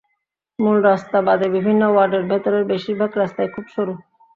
মূল রাস্তা বাদে বিভিন্ন ওয়ার্ডের ভেতরের বেশির ভাগ রাস্তাই খুব সরু।